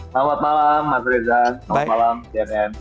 selamat malam mas reza selamat malam cnn